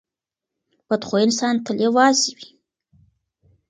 بد خویه انسان تل یوازې وي.